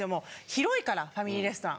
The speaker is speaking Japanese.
広いからファミリーレストラン。